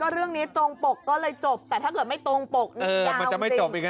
เรื่องนี้ตรงปกก็เลยจบแต่ถ้าเกิดไม่ตรงปกนี่ยาวจะจบ